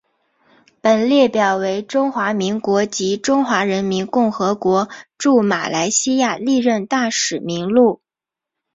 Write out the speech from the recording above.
本列表为中华民国及中华人民共和国驻马来西亚历任大使名录。